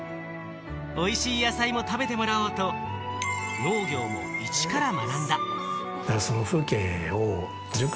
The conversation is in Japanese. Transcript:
おいしい野菜も食べてもらおうと、農業もイチから学んだ。